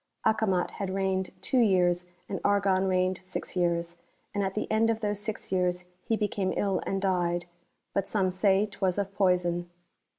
Acomat had reigned two years, and Argon reigned six years ; and at the end of those six years he became ill and died ; but some say 'twas of poison.